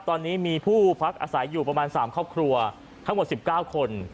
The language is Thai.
ตอนนี้มีผู้พักอาศัยอยู่ประมาณ๓ครอบครัวทั้งหมด๑๙คน